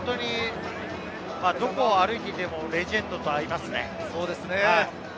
それだけ本当にどこを歩いていてもレジェンドと会いますね。